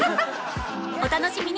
お楽しみに！